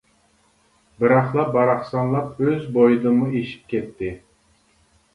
بىراقلا باراقسانلاپ ئۆز بويىدىنمۇ ئېشىپ كەتتى.